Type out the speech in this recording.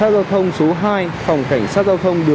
chả còn cháu đi học mà